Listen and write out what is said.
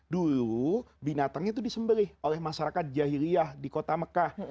dulu binatang itu disembelih oleh masyarakat jahiliyah di kota mekah